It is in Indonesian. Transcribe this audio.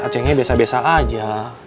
acing ini biasa biasa aja